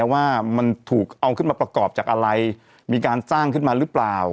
ว่ามันถูกเอาขึ้นมาประกอบจากอะไรมีการสร้างขึ้นมาหรือเปล่า